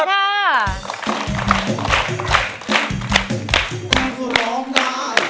สวัสดีค่ะ